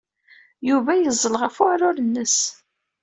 Yuba yeẓẓel ɣef uɛrur-nnes.